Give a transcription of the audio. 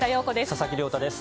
佐々木亮太です。